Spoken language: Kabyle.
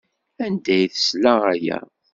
Anda ay tesla aya?